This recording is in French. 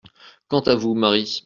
Quant à vous, Marie…